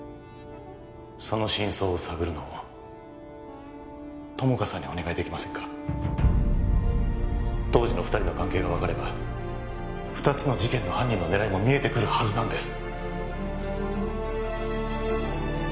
その真相を探るのを友果さんにお願いできませんか当時の二人の関係が分かれば二つの事件の犯人の狙いも見えてくるはずなんです